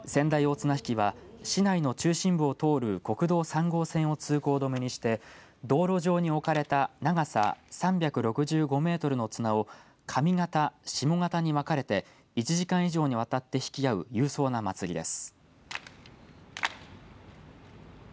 綱引は市内の中心部を通る国道３号線を通行止めにして道路上に置かれた、長さ３６５メートルの綱を上方、下方に分かれて１時間以上にわたって引き合う勇壮な祭りです。